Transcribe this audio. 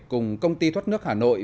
cùng công ty thoát nước hà nội